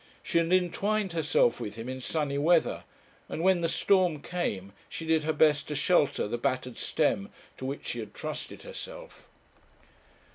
She had entwined herself with him in sunny weather; and when the storm came she did her best to shelter the battered stem to which she had trusted herself.